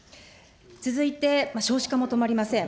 続いて、少子化も止まりません。